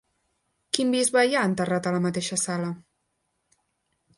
Quin bisbe hi ha enterrat a la mateixa sala?